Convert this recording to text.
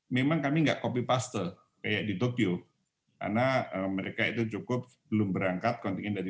memang kami enggak copy paste kayak di tokyo karena mereka itu cukup belum berangkat kontingen dari